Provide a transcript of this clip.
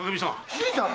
新さん！